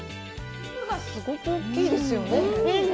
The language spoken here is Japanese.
すごく大きいですよね。